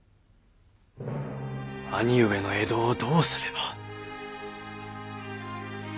兄上の江戸をどうすれば。